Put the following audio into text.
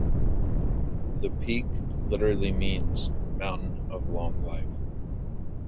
The peak literally means 'Mountain of long life'.